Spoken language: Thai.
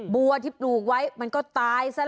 บัวที่ปลูกไว้มันก็ตายซะ